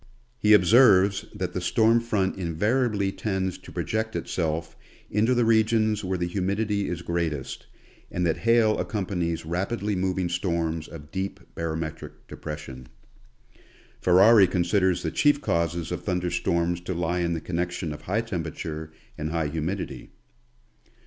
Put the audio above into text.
He observes that the storm front invariably tends to project itself into the re gions where the humidity is greatest, and that hail accompanies rapidly moving storms of deep barometric depression. Ferari considers the chief causes of thunder storms to lie in the connec tion of high temperature and high humidity.